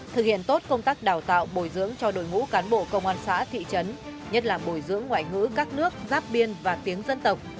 thực hiện tốt công tác đào tạo bồi dưỡng cho đội ngũ cán bộ công an xã thị trấn nhất là bồi dưỡng ngoại ngữ các nước giáp biên và tiếng dân tộc